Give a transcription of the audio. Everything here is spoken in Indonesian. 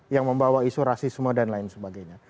yang membawa isu rasisme dan lain sebagainya